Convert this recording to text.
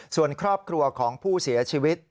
ส่วนครอบครัวของผู้เสียชีวิต